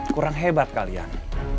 kurang hebat kalian